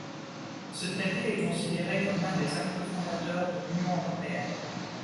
Ce traité est considéré comme l'un des actes fondateurs de l'Union européenne.